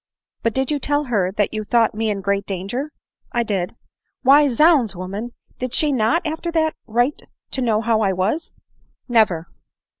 " But did you tell her that you thought me in great danger ?"" I did." " Why, zounds, woman ! did she not, after that, write to know how I was?" " Never."